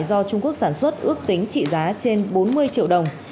do trung quốc sản xuất ước tính trị giá trên bốn mươi triệu đồng